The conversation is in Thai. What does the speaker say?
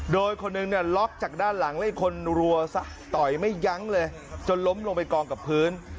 โดยคนหนึ่งเนี่ยล็อกจากด้านหลังแล้วอีกคนรัวซะต่อยไม่ยั้งเลยจนล้มลงไปกองกับพื้น